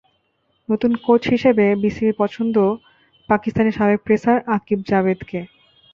নতুন কোচ হিসেবে বিসিবির প্রথম পছন্দ পাকিস্তানের সাবেক পেসার আকিব জাভেদকে।